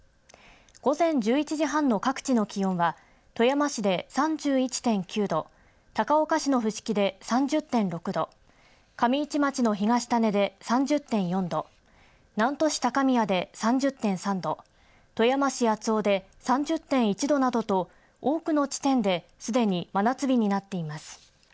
午前１１時半の各地の気温は富山市で３１．９度高岡市の伏木で３０．６度上市町の東種で３０．４度南砺市高宮で３０．３度富山市八尾で３０．１度などと多くの地点ですでに真夏日になっています。